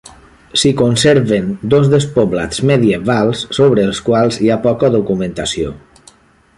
S'hi conserven dos despoblats medievals sobre els quals hi ha poca documentació.